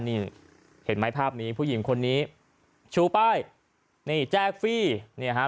นี่เห็นไหมภาพนี้ผู้หญิงคนนี้ชูป้ายนี่แจกฟี่เนี่ยฮะ